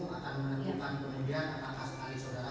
akan menentukan kemudian apakah sekali saudara